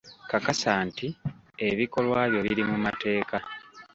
Kakasa nti ebikolwa byo biri mu mateeka.